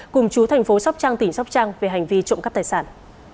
cùng chú thành phố sóc trăng tỉnh sóc trăng về hành vi trộm cắp tài sản